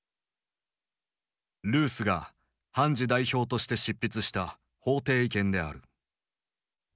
ルースが判事代表として執筆した法廷意見である。